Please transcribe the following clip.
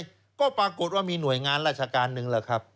ก็ปรากฏว่ามีหน่วยงานราชการหนึ่งแหละครับ